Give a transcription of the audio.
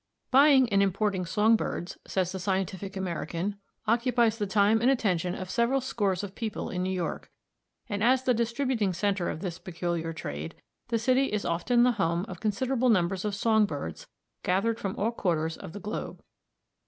Buying and importing song birds, says the Scientific American, occupies the time and attention of several scores of people in New York, and as the distributing center of this peculiar trade, the city is often the home of considerable numbers of song birds gathered from all quarters of the globe.